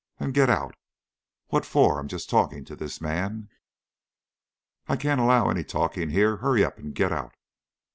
"Then get out." "What for? I'm just talking to this man." "I can't allow any talking here. Hurry up and get out."